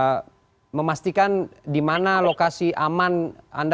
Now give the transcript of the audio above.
kita masih masih berpengungkan di gaza dan di mana lokalnya masih ada